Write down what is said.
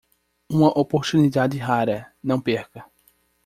Uma oportunidade rara, não perca!